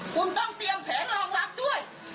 คุณต้องเตรียมแผงรองรับด้วย